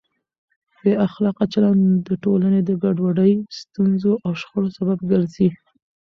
بې اخلاقه چلند د ټولنې د ګډوډۍ، ستونزو او شخړو سبب ګرځي.